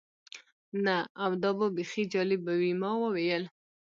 نه، او دا به بیخي جالبه وي. ما وویل.